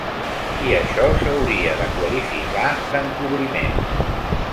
I això s’hauria de qualificar d’encobriment.